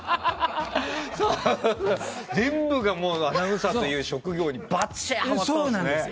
全部がアナウンサーという職業にばっちりとはまったんですね。